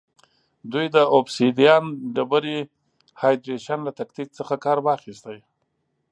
دوی د اوبسیدیان ډبرې هایدرېشن له تکتیک څخه کار واخیست